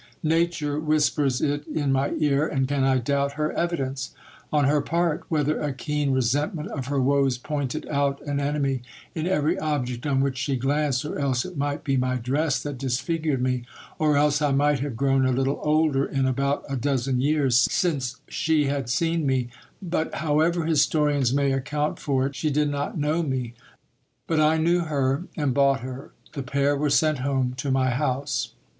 Nature whispers it in mv ear, and can I doubt her evidence ? On her part, whether a keen resent ment of her woes pointed out an enemy in every object on which she glanced, or else it might be my dress that disfigured me ;.... or else I might have grown a little older in about a dozen years since she had seen me .... but however historians may account for it, she did not know me. But I knew her, and bought her : the pair were sent home to my house.